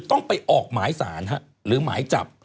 ตอนตอนนี้สามารถออกหมายสารหรือหมายจับ